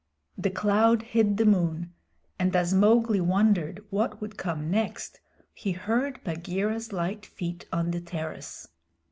The cloud hid the moon, and as Mowgli wondered what would come next he heard Bagheera's light feet on the terrace.